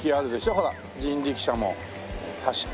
ほら人力車も走って。